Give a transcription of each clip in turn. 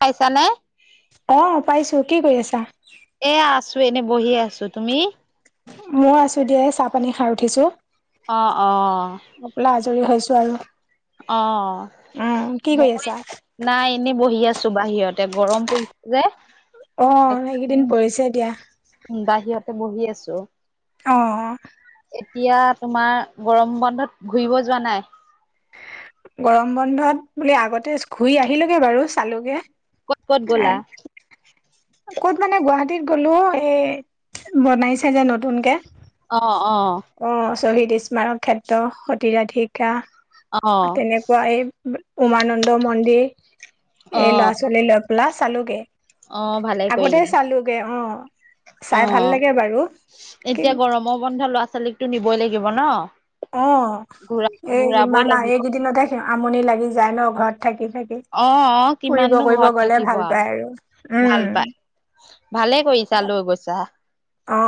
পাইছানে? অ পাইছো, কি কৰি আছা? এ আছো এনে বহি আছো, তুমি? মই আছো দিয়া। এ চাহ-পানী খাই উঠিছো। অ', অ', হৈ পেলাই আজৰি হৈছো আৰু। অ, উম কি কৰি মই আছা নাই এনেই বহি আছো বাহিৰতে গৰম পৰিছে যে। অ এইকেইদিন পৰিছে দিয়া। বাহিৰতে বহি আছো। অ এতিয়া তোমাৰ গৰম বন্ধত ঘূৰিব যোৱা নাই? গৰম বন্ধত বোলি আগতে ঘূৰি আহিলোগে বাৰু চালোগে কত কত গলা? [inaudible] ক'ত মানে গুৱাহাটীত গ'লো। এই বনাইছে যে নতুনকে। অ-অ। অ শ্বহীদ স্মাৰক ক্ষেত্ৰ, সতীৰাধিকা অ', তেনেকুৱা এ উমানন্দ মন্দিৰ, এই অ', ল'ৰা- ছোৱালী লগ লা চালোগে, অ ভালে আগতে কৰিলা চালোগে অ। অ, চাই ভাল লাগে বাৰু কি এতিয়া গৰমৰ বন্ধ ল'ৰা ছোৱালীকতো নিবই লাগিব ন? অ, ঘূৰা এই ঘূৰাবই ইমান আও লাগিব এইকেইদিনতে আমনি লাগি যায় ন ঘৰত থাকি থাকি? অ অ ফুৰিব কিমাননো কৰিব ঘৰত গ'লে থাকিব ভাল আও পায় আৰু উম। ভাল পা, ভালে কৰিছা লৈ গৈছা। অ,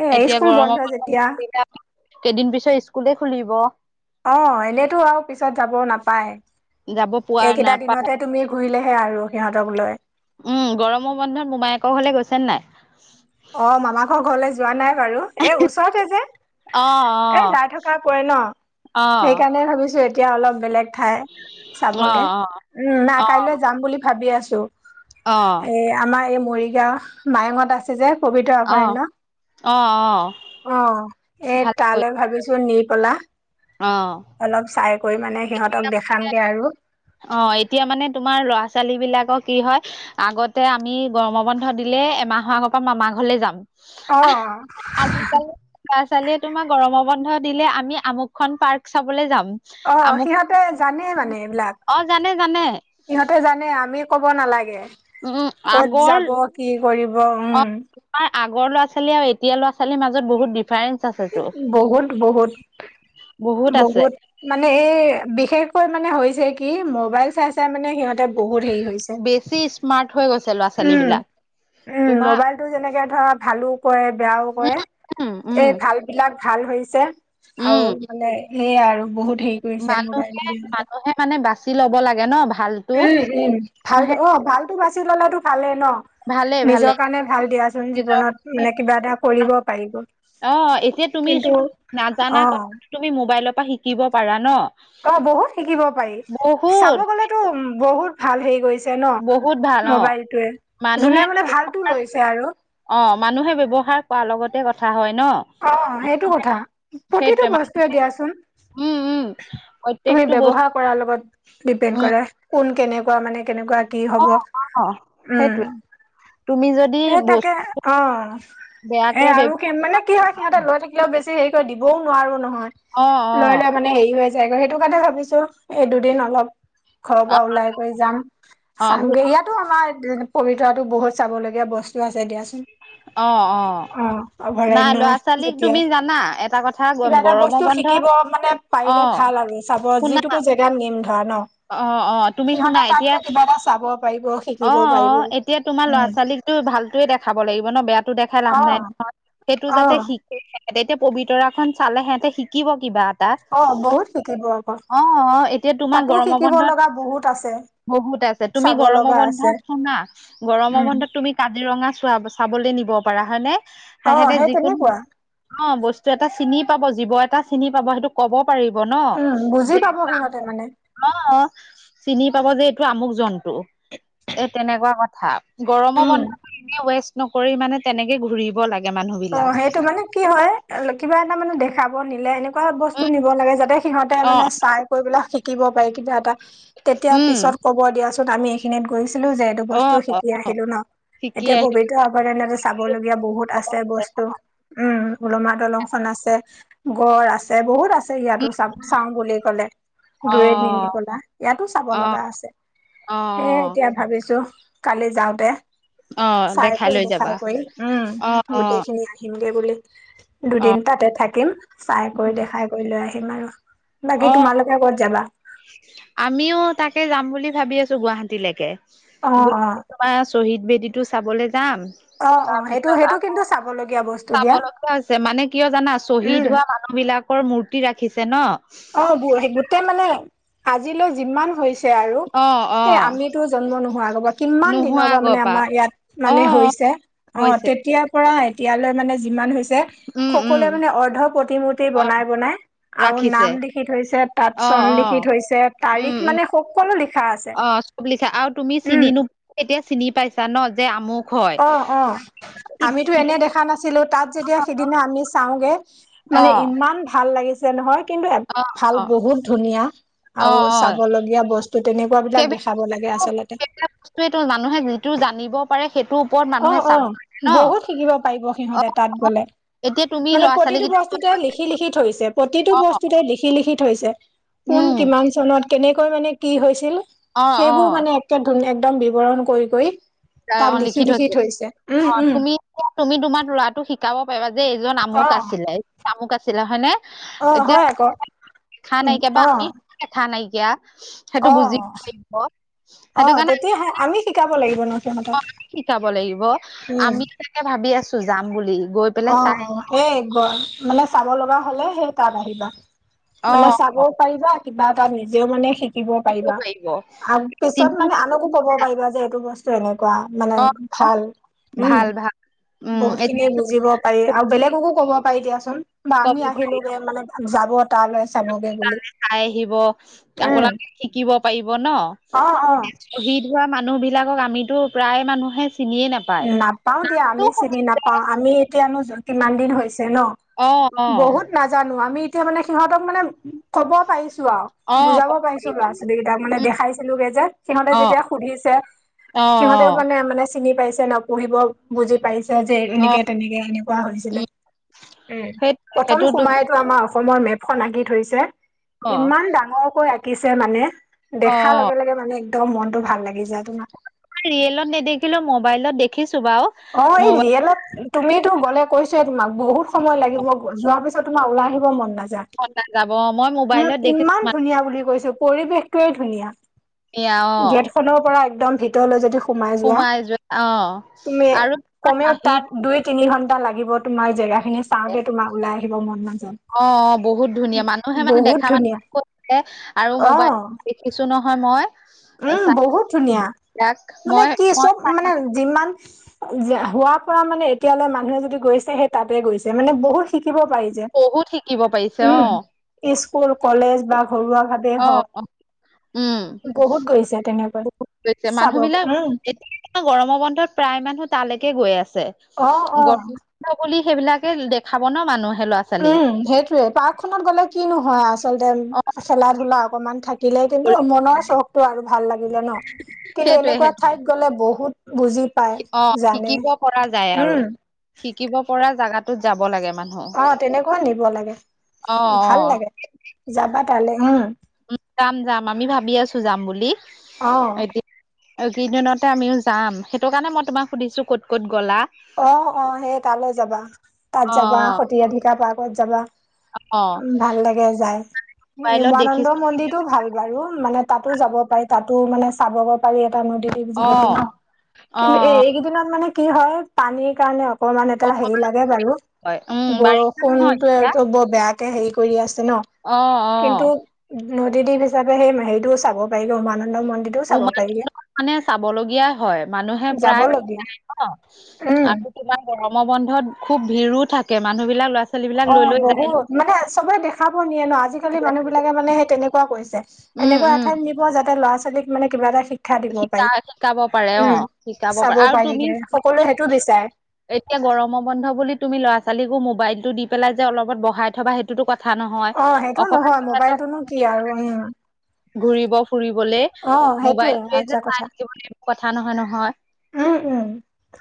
এ হেৰি এতিয়া স্কুল গৰমৰ বন্ধ যেতিয়া কেইদিন পিছত স্কুলে খুলিব অ এনেতো আৰু পিছত যাবও নাপায় যাব পোৱা এইকেইটা নাপায় দিনতে তুমি ঘূৰিলেহে আৰু সিহঁতক লৈ উম গৰমৰ বন্ধত মোমায়েকৰ ঘৰলে গৈছে নাই? অ মামাকৰ ঘৰলৈ যোৱা নাই বাৰু। এ ওচৰতে যে অ এ যাই থকা পৰে ন অ সেইকাৰণে ভাবিছো এ এতিয়া অলপ বেলেগ ঠাই অ চাবগে উম না অ কাইলৈ যাম বুলি ভাবি আছো। অ অ এ আমাৰ এই মৰিগাঁও মায়ঙত আছে যে পবিত্ৰ অ অভয়াৰণ্য অ অ অ এই ভালকৈ তালৈ ভাবিছো নিপলা অ অলপ চাই কৰি মানে সিহঁতক দেখামগে আৰু। অ এতিয়া মানে তোমাৰ ল'ৰা ছোৱালী বিলাকৰ কি হয় আগতে আমি গৰমৰ বন্ধ দিলে এমাহৰ আগৰ পৰা মামাৰ ঘৰলে যাম। আহ অ', আজিকালি ল'ৰা ছোৱালীয়ে তোমাক গৰম বন্ধ দিলে আমি আমুকখন পাৰ্ক চাবলে যাম। অ আমুক সিহঁতে জানে মানে? অ জানে জানে। ইহতে জানে আমি কব নালাগে। উম কত আগৰ যাব কি কৰিব উম। আই আগৰ ল'ৰা ছোৱালী আৰু এতিয়া ল'ৰা ছোৱালীৰ মাজত বহুত ডিফাৰেন্ঞ্চ আছেতো বহুত বহুত বহুত মানে এই বিশেষকৈ মানে হৈছে কি মবাইল চাই চাই মানে সিহঁতে বহুত হেৰি হৈ। বেছি স্মাৰ্ট হৈ গৈছে ল'ৰা ছোৱালী বিলাক। উম তোমাৰ মোবাইলটো যেনেকে ধৰা ভালো কৰে বেয়াও কৰে উম উম এই ভাল বিলাক ভাল হৈছে আৰু উম মানে সেয়াই আৰু বহুত সেই। ঘূৰিছে মোবাইল মানুহে দি মানুহে মানে বাচি লব লাগে ন ভালতো সিহঁতক উম উম ভাল মানুহে অ ভাল টো বাচছি ললেতো ভালেই ন। ভালে ভালে নিজৰ কাৰণে ভাল দিয়াচোন নিজৰ জীৱনত মানে কিবা এটা কৰিব পাৰিব। অ এতিয়া তুমি কিন্তু চোৱা অ নাজানা কথা তুমি মোবাইলৰ পৰা শিকিব পাৰা ন অ বহুত শিকিব পাৰি চাব বহুত গলেতো বহুত ভাল হেৰি গৈ টেন বহুত ভাল অ মোবাইলটোৱে মানুহে যোনে মানে ভালতো লৈছে আৰু অ মানুহে ব্যৱহাৰ কৰা লগতে কথা হয় ন। অ সেইটো কথা প্ৰতিটো সেইটোৱে মান বস্তুয়ে দিয়াচোন উম উম তুমি প্ৰত্যেকটো বস্তু ব্যৱহাৰ কৰাৰ লগত ডিপেণ্ড উম কৰে, কোন কেনেকুৱা মানে কেনেকুৱা কি অ হ'ব অ উম। সেইটোৱে তুমি যদি এ তাকে বস্তু অ এ বেয়াকে আৰু ব্যৱহাৰ কি মানে কি হয়। এই, সিহঁতে লৈ থাকিলেও, বেছি হেৰি কৰি দিবও নোৱাৰোঁ নহয়। অ অ লৈ লৈ মানে, হেৰি হৈ যায় ক'! সেইটো কাৰণে ভাবিছোঁ, এই, দুদিন অলপ ঘৰৰ অ পৰা ওলাই কৰি যাম, অ ঘ চামগে ইয়াত। এইতো আমাৰ, পবিতৰাটো বহুত চাবলগীয়া বস্তু আছে দিয়া। অ নাই অভয়াৰণ্য ল'ৰা ছোৱালীক যেতিয়া তুমি জানা এটা কথা গম কিবা এটা গৰমৰ বস্তু বন্ধ শিকিব মানে অ পাৰিলে ভাল আৰু চাব শুনা যিটোকো এতিয়া নিম ধৰা ন অ অ তুমি শুনা সিহঁতে তাত এতিয়া গৈ কিবা এটা চাব পাৰিব অ শিকিব অ পাৰিব এতিয়া তোমাৰ ল'ৰা উম ছোৱালীকতো ভালটোৱে দেখাব লাগিব ন বেয়াটো দেখাই অ লাভ নাই নহয়। সেইটো অ যাতে, শিকে। সিহঁতে এতিয়া, পবিতৰা খন চালে, সিহঁতে শিকিব কিবা। তাত। অ বহুত শিকিব আকৌ অ'! অ'! এতিয়া, তোমাৰ তাতো গৰমত শিকিব বন্ধত, লগা বহুত আছে বহুত আছে। তুমি চাব গৰম লগা আছে। বন্ধত, শুনা! গৰমৰ উম। বন্ধত তুমি, কাজিৰঙা চোৱা, চাবলৈ নিব পাৰা? হয় নে! অ সেহেঁতে সেই যিকোন তেনেকুৱা অ'! বস্তু এটা চিনি পাব, জীৱ এটা চিনি পাব। সেইটো, ক'ব পাৰিব উম ন'! বুজি পাব সিহঁতে [unintelligible] মানে। অ'! চিনি পাব যে, এইটো আমুক জন্তু! এ, তেনেকুৱা কথা। গৰমৰ উম। বন্ধত, এনে ৱেষ্ট নকৰি মানে, তেনেকে ঘূৰিব লাগে। মানুহ বিলাক অ'! সেইটো মানে, কি হয়, কিবা এটা মানে, দেখাব নিলে, এনেকুৱা বস্তু উম নিব লাগে। যাতে সিহঁতে অ মানে, চাই কৰি পেলাই শিকিব পাৰি, কিবা এটা। তেতিয়া, উম পিছত ক'ব দিয়াচোন! আমি এইখিনিত গৈছিলোঁ যে, এইটো অ বস্তু অ শিকি আহিলোঁ ন'। শিকি এতিয়া, আহিল পবিতৰা অভয়াৰণ্যত আছ চাবলগীয়া বহুত আছে, বস্তু। উম! ওলমা দলংখন আছে, গড় আছ এই, বহুত আছে ইয়াতো, চা, চাওঁ বুলি ক'লে। অ দূৰে নিনি [unintelligible] ইয়াতো চাব লগা আছে। অ' সেয়ে অ' অ'! এতিয়া, ভাবিছোঁ! কালি যাওঁতে, অ চাই কৈ লৈ দেখাই যাবা কৈ, উম! অ অ গোটেইখিনি আহিমগে বুলি। অ', দুদিন তাতে থাকিম। চাই কৰি, দেখাই কৰি লৈ আহিম আৰু। বাকী অ', তোমালোকে ক'ত যাবা? আমিও, তাকে যাম বুলি ভাবি আছোঁ! গুৱাহাটীলেকে। অ অ তোমাৰ শ্বহীদ বেদীটো চাবলৈ যাম। অ অ সেইটো তাৰপিছত, সেইটো আকৌ কিন্তু চাবলগীয়া বস্তু দিয়া চাবলগীয়া হৈছে। মানে, কিয় জানা? শ্বহীদ উম হোৱা মান মানুহ বিলাকৰ মূৰ্তি ৰাখিছে ন'। অ'! গোটেই মানে, আজিলৈ যিমান হৈছে আৰু। অ', এই, অ', আমিতো জন্ম নোহোৱা আগৰ পৰা, কিমান দিনৰ নোহোৱা পৰা আগৰ মানে, আমাৰ ইয়াত মানে অ', অ', হৈছে? অ'! হৈছে তেতিয়াৰ পৰা, এতিয়ালৈ মানে, যিমান হৈছে উম, উম। সকলোৱে মানে, অৰ্ধ প্ৰতিমূৰ্তি অ', বনাই বনাই আৰু ৰাখিছে নাম লিখি থৈছে। তাত, অ', চন লিখি অ', থৈছে। উম, তাৰিখ উম, মানে, সকলো লিখা আছে। অ', চব লিখা আৰু তুমি উম চিনি নো, এতিয়া চিনি পাইছা ন'? যে, আমুক। হয়। অ' অ! আমিতো এনে, দেখা নাছ ছিলো। তাত যেতিয়া, সিদিনা আমি চাওঁগে। মানে, অ', ইমান ভাল লাগিছে নহয়! কিন্তু, অ', ভাল অ', বহুত ধুনীয়া! আৰু অ', অ', চাবলগীয়া বস্তু, তেনেকুৱা বিলাক দেখাব লাগে আচলতে। সেইটোৱেটো! মানুহে যিটো জানিব। পাৰে সেইটোৰ ওপৰত মানুহে অ' চাব অ'! লাগে ন বহুত শিকিব পাৰিব, অ সিহঁতে তাত গ'লে। এতিয়া তুমি মানে, ল'ৰা ছোৱালী প্ৰতিটো বস্তুতে, কেইটা লিখি লিখি থৈছে, প্ৰতিটো অ বস্তুতে, লিখি লিখি থৈছে। কোন, উম কিমান চনত? কেনেকৈ মানে, কি হৈছিল? অ অ সেইবোৰ মানে [unintelligible] একদম বিৱৰণ কৰি কৰি তাই তাত অ'! লিখি লিখিত লিখি থৈছে। উম অ'! উম তুমি? তুমি, তোমাৰ ল'ৰাটোক শিকাব পাৰিবা? যে, এইজন অ আমুক আছিলে, এই আমুক আছিলে। হয় নে? অ'! হয়, আ'ক। দেখা নাইকিয়া বা আমি দেখা নাইকিয়া। সেইটো, অ বুজি [unintelligible] সেইটো অ'! তেতিয়াহে, আমি শিকাব লাগিব ন'? সিহঁতক অ'! আমি শিকাব লাগিব। উম আমি, তাকে ভাবি আছোঁ যাম বুলি। গৈ পেলাই অ' চাই অ'! এই, [unintelligible] মানে, চাব লগা হ'লে, সেই তাত আহিবা। অ মানে চাবও পাৰিবা কিবা এটা নিজেও মানে শিক- শিকিব পাৰিবা? আৰু পিছত চিন্তা মানে, আনকো ক'ব পাৰিবা যে, এইটো বস্তু এনেকুৱা। মানে অ অ ভাল উম ভাল ভাল উম বহুত খিনি এতিয়া বুজ- জিব পাৰি আৰু বেলেগকো কব পাৰি দিয়াচোন বা ক'ব আমি পাৰি আহিলোগে মানে যাব তালৈ চাবগে। বুলি তাই চাই আহিব উম আপোনালোকে শিকিব পাৰিব ন, অ অ বীৰ শ্বহীদ ভোৱা মানুহ বিলাকক আমিতো প্ৰায় মানুহে চিনিয়ে নাপ- নাপাও দিয়া আমি চিনি নাপাও আমি এতিয়ানো কিমান দিন হৈছে ন। অ অ। বহুত নাজানো আমি এতিয়া মানে সিহঁতক মানে ক'ব পাৰিছো আও অ বুজাব ক'ব পাৰিছো ল'ৰা ছোৱালীক। তিয়া মানে উম, দেখাইছিলোগে যে সিহঁতে অ যেতিয়া সুধিছে অ অ সিহঁতেও মানে মানে চিনি পাইছ- নপঢ়িব বুজি পাইছ- যে অ এনেকে তেনেকে এনেকুৱা হৈছিলে। উম উম সেই প্ৰথম সেইটো তুমি সোমাইতো আমা- অসমৰ মেপখন আঁকি থৈছে। অ ইমান ডাঙৰকৈ আঁকিছে মানে অ দেখাৰ লগে লগে মানে একদম মনতটো ভাল লাগি যায় তোমাক। ৰিয়েলত নেদখিলো মোবাইলত দেখিছো বাও। অ এই ৰিয়েলত তুমিতো গ'লে কৈছোয়ে তোমাক বহু সময় লাগিব যোৱাৰ পিছত তোমাৰ ওলাই আহিব মন নায- যা, মন নাযাব মই উম মোবাইলত দেখিছো ইমান ধুনীয়া বুলি কৈছো পৰিৱেশ কেই ধুনীয়া, মানুহ অ গেট খনৰ পৰা একদম ভিতৰলৈ যদি সোমাই যোৱা অ তুমি আৰু কমেও তাত বাহিৰ দুই তিনি ঘন্টা লাগিব তোমাৰ জেগা খিনি চাওঁতে তোমাক ওলাই আহিব মন নাজাব- অ বহুত ধুনীয়া মানুহে মানে দেখা মানুহ কৈছে আৰু মোবাইল অ', দেখিছো নহয় মই। উম চাই বহুত ধুনীয়া তাক মানে মই কি মই চব মানে যিমান হোৱা পৰা মানে এতিয়ালৈ মানুহে যদি গৈছে সেই তাতে গৈছে মানে বহুত শিকিব পাৰি যে বহুত শিকিব পাৰিছে উম অ', স্কুল, কলেজ বা ঘৰুৱাভাৱে অ অ উম বহুত গৈছে তেনেকৈ বহুত গৈছে চাব মানুহ বিলাক উম, এতিয়া গৰমৰ বন্ধত প্ৰায় মানুহ তালৈকে গৈ আছে অ', অ'। [unintelligible] বুলি সেইবিলাকে দেখাব ন মানুহে ল- উম সেইটোয়ে পাৰ্কখনত গ'লে কিনো হয়। আচলতে অ', খেলা ধূলা অকনমান থাক- দিলে কিন্তু মনৰ চখতটো আৰু ভাল লাগিলে ন। কিন্তু সেইটোৱে এনেকুৱা সেইটোৱে ঠাইত গ'লে বহুত বুজি পায় অ জানে শিকিব পৰা যায় আৰু উম শিকিব পৰা জাগাটোত যাব লাগে মান- অ তেনেকুৱা নিব লাগে ভাল অ', লাগে যাবা তালে, উম। যাম যাম আমি ভাবি আছো যাম বুলি। অ এতি- অ কেইদিনতে আমিও যাম। সেইটো কাৰণে মই তোমাক সুধিছো ক'ত ক'ত গ'লা। অ অ সেই তালৈ যাবা তাত অ যাবা সতিৰাধিকা পাৰ্কত যাবা। অ উ ভাল লাগে যায় মোবাইলত উমানন্দ দেখিছো মন্দিৰটো ভাল। বাৰু মানে তাতো যাব পাৰি তাতো মানে চাব পাৰি এটা নদী দ্বীপ অ যিহেতু ন। অ কিন্তু এই অ এইকেইদিনত মানে কি হয় পানীৰ কাৰণে অকমান এটা হেৰি লাগে বাৰু হয় উম বাৰিষা নহয় এতিয়া বৰষুণতোটো বৰ বেয়া তে হেৰি কৰি আছে ন। অ অ কিন্তু নদীদ্বীপ হিচাপে সেই হেৰিটোও চাব পাৰি ন উমানন্দ মন্দিৰ। উমানন্দ মানে চাব লগীয়া হয়। মানুহে প্ৰায় যাবলগীয়া [unintelligible] অ উম আৰু তোমাৰ গৰম বন্ধত খুব ভিৰো থাকে মানুহ বিলাক ল'ৰা ছোৱালী বিলাক লৈ অ' লৈ যায় ন বহুত মানে চবে দেখাব নিয়ে ন আজিকালি মানুহ বিলাকে মানে সেই তেনেকুৱা কৰিছে। উম এনেকুৱা উম এঠাইত নিব যাতে ল'ৰা ছোৱালক মানে কিবা এটা শিক শিক্ষা দিব শিকা পাৰি শিকাব পাৰে অ উম শিকাব পাৰে চাব আৰু পাৰি তুমি [unintelligible] চাবাচোন সকলোৱে সেইটো বিচাৰে। এতিয়া গৰমৰ বন্ধ বুলি তুমি ল'ৰা ছোৱালীকো মোবাইলটো দি পেলাই যে অলপত বহাই থবা সেইটো টোতো কথা নহয়, অ সেইটো অকমান নহয় [unintelligible] মোবাইলটোনো কি আৰু উম ঘুৰিব ফুৰিবলে অ সেইটোয়ে মোবাইলটোৱে আজা চাই কথা থাকিব লাগিব কথা নহয় নহয়। উম উম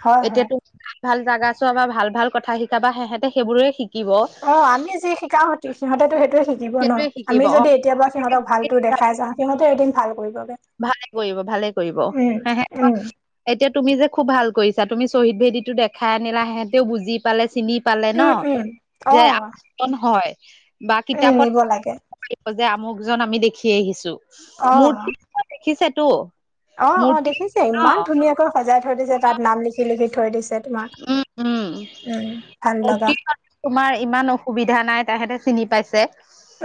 হয় হয় এতিয়াতো ভাল ভাল জাগা চোৱা বা ভাল ভাল কথা শিকাবা সিহঁতে সেইবোৰে শিকিব। অ' আমি যি শিকাওঁ সিহতেতো সেইটোয়ে শি দিব ন সেইটোৱে শিকিব আমি অ যদি এতিয়াৰ পৰা সিহঁতক ভালতো দেখাই যাওঁ সিহঁতেও এদিন ভাল কৰিব। [unintelligible] ভালে কৰিব ভালে কৰিব উম এতিয়া তুমি যে খুব ভাল কৰিছা তুমি শ্বহীদ ভেদীতো দেখাই আনিলা হেঁতেও বুজি পালে চিনি পালে ন উম উম অ যে আ হয় বা উম নিব কিতাপত লাগে যে আমুকজন আমি দেখি আহিছো অ মূৰ্তি দেখিছে তো। অ', অ' দেখিছো ইমান ধুনীয়াকৈ সজাই থৈ দিছে তাত নাম লিখি-লিখি থৈ দিছে। তোমাক উম উম উম ভাল মূৰ্তি লাগা। তোমাৰ ইমান অসুবিধা নাই তাহেতে চিনি পাইছে।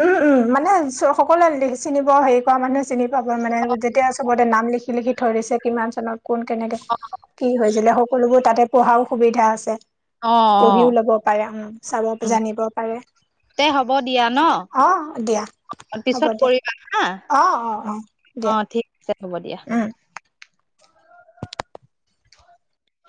উম-উম মানে সকলোৱে চিনিব হেৰি কৰা মানুহে চিনি পাব মানে যেতিয়া চবতে নাম লিখি-লিখি থৈ দিছে কিমান চনত কোন কেনেকা [unintelligible] কি হৈছিলে সকলোবোৰ তাতে পঢ়াও সুবিধা আছে। অ অ পঢ়িও লব পাৰে উম চাব উ জানিব পাৰে। তে হ'ব দিয়া ন। অ দিয়া হ'ব পিছত দিয়া কৰিবা হা অ অ অ দিয়া অ' ঠিক আছে হ'ব দিয়া। উম